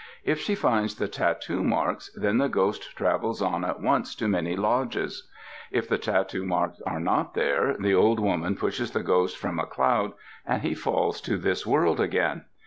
If she finds the tattoo marks, then the ghost travels on at once to Many Lodges. If the tattoo marks are not there, the old woman pushes the ghost from a cloud and he falls to this world again.